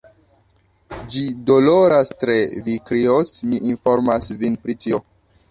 Ĝi doloras tre; vi krios, mi informas vin pri tio.